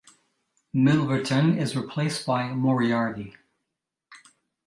Milverton is replaced by Moriarty.